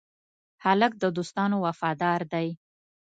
هلک د دوستانو وفادار دی.